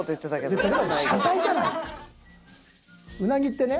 うなぎってね